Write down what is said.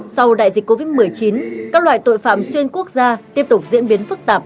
sau đại dịch covid một mươi chín các loại tội phạm xuyên quốc gia tiếp tục diễn biến phức tạp